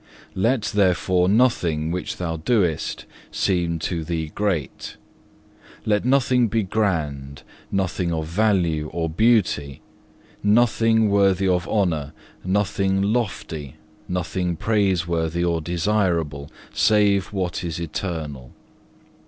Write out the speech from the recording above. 4. "Let, therefore, nothing which thou doest seem to thee great; let nothing be grand, nothing of value or beauty, nothing worthy of honour, nothing lofty, nothing praiseworthy or desirable, save what is eternal.